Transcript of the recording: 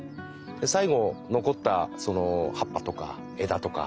で最後残ったその葉っぱとか枝とか。